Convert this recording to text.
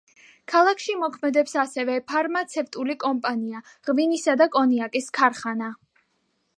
ქალაქში მოქმედებს ასევე ფარმაცევტული კომპანია, ღვინისა და კონიაკის ქარხანა.